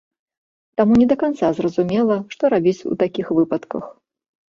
Таму не да канца зразумела, што рабіць у такіх выпадках.